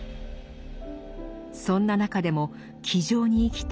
そんな中でも気丈に生きた